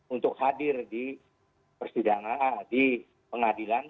untuk hadir di persidangan di pengadilan